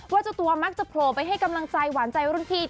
เจ้าตัวมักจะโผล่ไปให้กำลังใจหวานใจรุ่นพี่